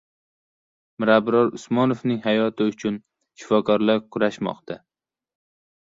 Mirabror Usmonovning hayoti uchun shifokorlar kurashmoqda